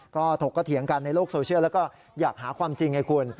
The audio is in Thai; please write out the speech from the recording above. ก็ถกกระเถียงกันในโลกโซเชียลแล้วก็อยากหาความจริงไงคุณ